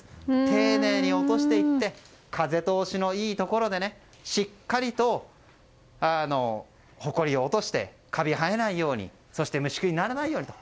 丁寧に落としていって風通しのいいところでしっかりとほこりを落としてカビが生えないようにそして虫食いにならないようにと。